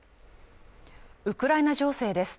ウクライナ情勢です